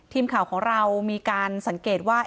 ทีมข่าวของเรามีการสังเกตว่า